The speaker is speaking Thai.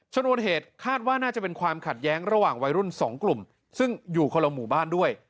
ชนวนเหตุคาดว่าน่าจะเป็นความขัดแย้งระหว่างวัยรุ่น๒กลุ่มซึ่งอยู่คนละหมู่บ้านด้วย